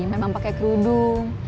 memang pakai kerudung